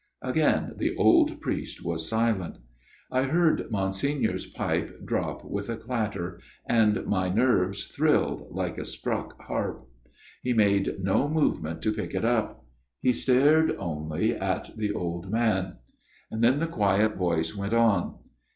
Again the old priest was silent. I heard Monsignor's pipe drop with a clatter ; and my nerves thrilled like a struck harp. He made no movement to pick it up. He stared only at the old man. Then the quiet voice went on.